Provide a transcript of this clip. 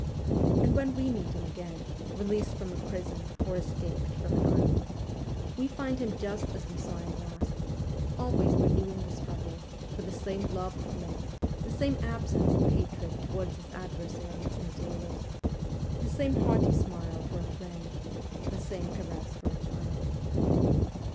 And when we meet him again, released from a prison or escaped from an island, we find him just as we saw him last ; always renewing the struggle, with the same love of men, the same absence of hatred toward his adversaries and jailers, the same hearty smile for a friend, the same caress for a child.